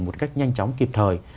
một cách nhanh chóng kịp thời